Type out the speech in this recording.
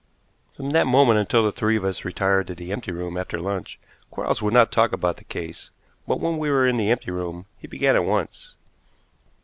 From that moment until the three of us retired to the empty room after lunch Quarles would not talk about the case, but when we were in the empty room he began at once.